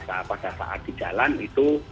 apakah saat di jalan itu